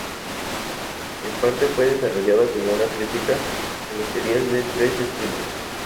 En parte fue desarrollada como una crítica a las teorías de tres estilos.